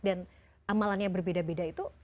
dan amalannya berbeda beda itu